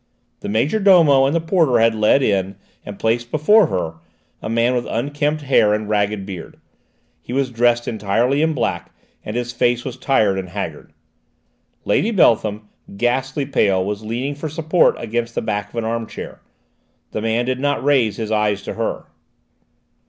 The major domo and the porter had led in, and placed before her, a man with unkempt hair and ragged beard; he was dressed entirely in black, and his face was tired and haggard. Lady Beltham, ghastly pale, was leaning for support against the back of an arm chair. The man did not raise his eyes to her.